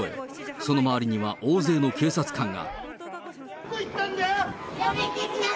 その周りには大勢の警察官が。